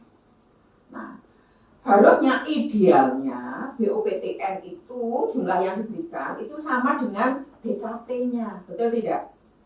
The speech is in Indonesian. nah harusnya idealnya boptn itu jumlah yang diberikan itu sama dengan bkt nya betul tidak